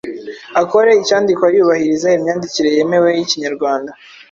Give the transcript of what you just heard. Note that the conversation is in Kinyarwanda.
akore icyandikwa yubahiriza imyandikire yemewe y’Ikinyarwanda